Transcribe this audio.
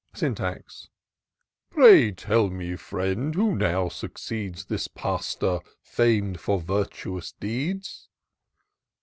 '* Syntax. " Pray tell me, friend, who now succeeds This Pastor, fam'd for virtuous deeds?"